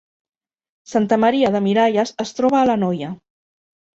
Santa Maria de Miralles es troba a l’Anoia